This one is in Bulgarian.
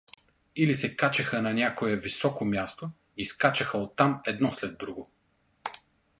Или се качеха на някое височко място и скачаха оттам едно след друго.